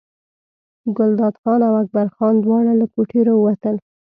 ګلداد خان او اکبرجان دواړه له کوټې راووتل.